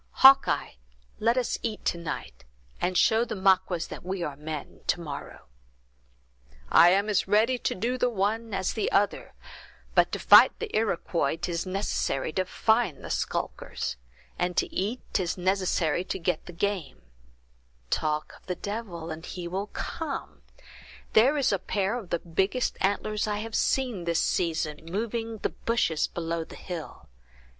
Hawkeye, let us eat to night, and show the Maquas that we are men to morrow." "I am as ready to do the one as the other; but to fight the Iroquois 'tis necessary to find the skulkers; and to eat, 'tis necessary to get the game—talk of the devil and he will come; there is a pair of the biggest antlers I have seen this season, moving the bushes below the hill!